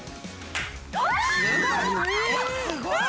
すごい！